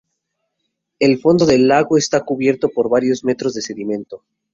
El fondo del lago está cubierto por varios metros de sedimento.